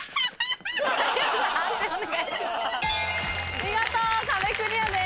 見事壁クリアです。